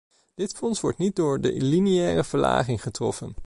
Dit fonds wordt niet door de lineaire verlaging getroffen.